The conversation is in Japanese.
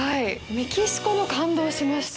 メキシコも感動しました。